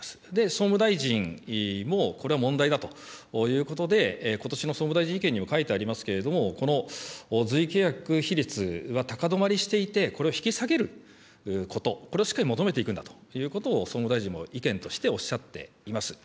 総務大臣もこれは問題だということで、ことしの総務大臣意見にも書いてありますけれども、この随意契約比率は高止まりしていて、これを引き下げること、これをしっかり求めていくんだということを総務大臣も意見としておっしゃっています。